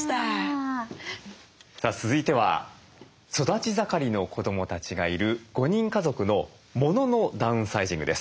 続いては育ち盛りの子どもたちがいる５人家族のモノのダウンサイジングです。